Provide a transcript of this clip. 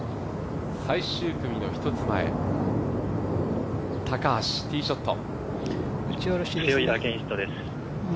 最終組の１つ前、高橋ティーショット。